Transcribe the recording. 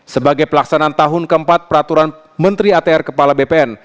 sebagai pelaksanaan tahun keempat peraturan menteri atr kepala bpn